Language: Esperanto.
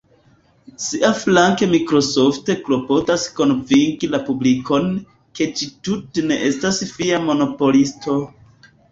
Siaflanke Microsoft klopodas konvinki la publikon, ke ĝi tute ne estas fia monopolisto.